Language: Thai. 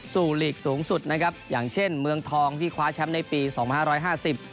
หลีกสูงสุดนะครับอย่างเช่นเมืองทองที่คว้าแชมป์ในปีสองพันห้าร้อยห้าสิบ